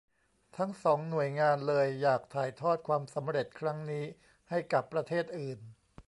ทั้งสองหน่วยงานเลยอยากถ่ายทอดความสำเร็จครั้งนี้ให้กับประเทศอื่น